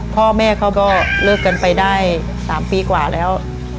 พ่อแม่เขาก็เลิกกันไปได้๓ปีกว่าแล้ว